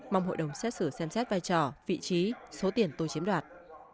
mong hội đồng xét xử xem xét vai trò vị trí số tiền tôi chiếm đoạt